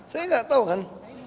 saya enggak tahu kan